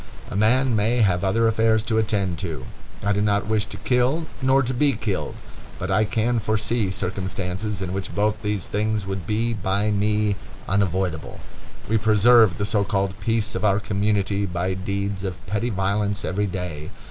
A man may have other affairs to attend to. I do not wish to kill nor to be killed, but I can foresee circumstances in which both these things would be by me unavoidable. We preserve the so called peace of our community by deeds of petty violence every day.